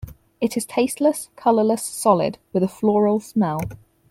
It is tasteless, colourless solid with a floral smell.